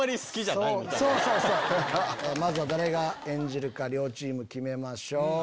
まずは誰が演じるか両チーム決めましょう。